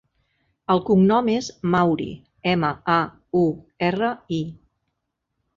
El cognom és Mauri: ema, a, u, erra, i.